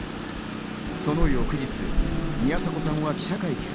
その翌日、宮迫さんは記者会見。